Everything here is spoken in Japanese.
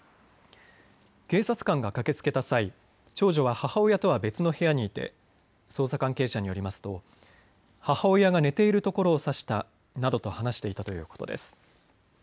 警察官が駆けつけた際、長女は母親とは別の部屋にいて捜査関係者によりますと母親が寝ているところを刺したなどと話していたということです。